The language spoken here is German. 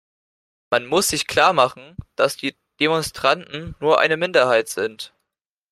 Man muss sich klarmachen, dass die Demonstranten nur eine Minderheit sind.